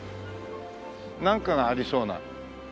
なんかがありそうな。